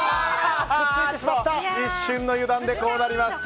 一瞬の油断でこうなります。